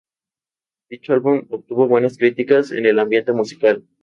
Dicho álbum obtuvo buenas críticas en el ambiente musical.